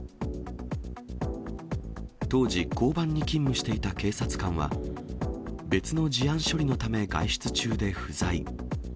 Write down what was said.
当時、交番に勤務していた警察官は、別の事案処理のため外出中で不在。